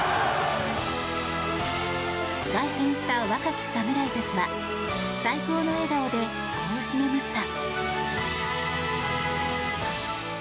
凱旋した若き侍たちは最高の笑顔で、こう締めました。